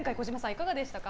いかがでしたか？